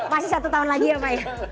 masih satu tahun lagi ya pak ya